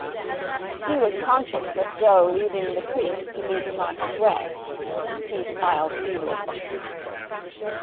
He was conscious of Joe leaving the crease to meet him on his way. He smiled feebly.